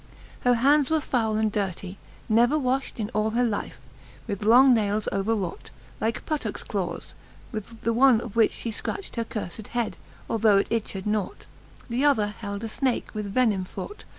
Her hands were foule and durtie, never wafbt, In all her life, with long nayles over raught, Like puttockes clawcs ; with th'one of which {he fcracht Her curfed head, although it itched naught ;, The other held a fnake with venime fraught.